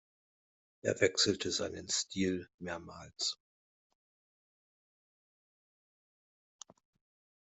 Er wechselte seinen Stil mehrmals.